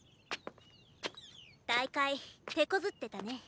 大会手こずってたね。